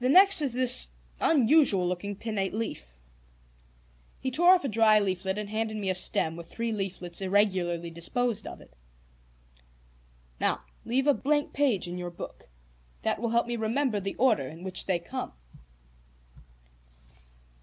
"The next is this unusual looking pinnate leaf." He tore off a dry leaflet and handed me a stem with three leaflets irregularly disposed of it. "Now leave a blank page in your book. That will help me remember the order in which they come."